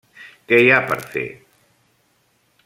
Què hi ha per fer?